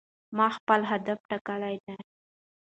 ما خپل هدف ټاکلی دی.